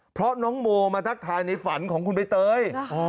เพราะน้องโมมาทักทายในฝันของคุณใบเตย